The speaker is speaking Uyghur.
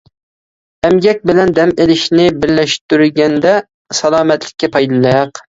ئەمگەك بىلەن دەم ئېلىشنى بىرلەشتۈرگەندە سالامەتلىككە پايدىلىق.